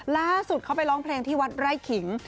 ล่าสุดเขาไปร้องเพลงที่วัดไร่ขิง